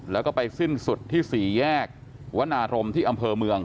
แล้วก็ไปสิ้นสุดที่๔แยกวนารมที่อำเภอเมือง